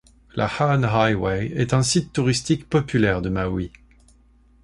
La Hāna Highway est un site touristique populaire de Maui.